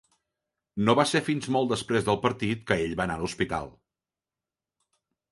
No va ser fins molt després del partit que ell va anar a l'hospital.